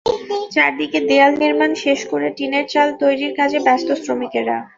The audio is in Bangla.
চারদিকে দেয়াল নির্মাণ শেষ করে টিনের চাল তৈরির কাজে ব্যস্ত শ্রমিকেরা।